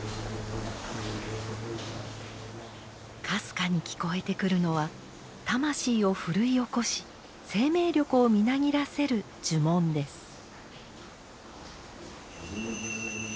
かすかに聞こえてくるのは魂を奮い起こし生命力をみなぎらせる呪文です。